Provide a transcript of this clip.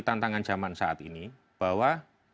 tantangan zaman saat ini bahwa